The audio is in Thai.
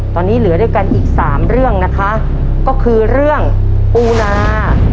ตอนนี้เหลือด้วยกันอีกสามเรื่องนะคะก็คือเรื่องปูนา